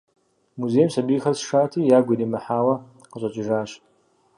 Музейм сабийхэр сшати, ягу иримыхьауэ къыщӏэкӏыжащ.